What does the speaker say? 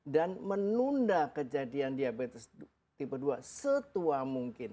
dan menunda kejadian diabetes tipe dua setua mungkin